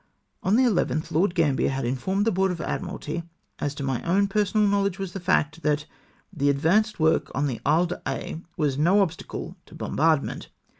On the 11th Lord Gambier had informed the Board of AdmiraUy — as to my own personal knowledge was the fact — that " the advanced work on the Isle d'Aix was no obstacle to bombardment.'''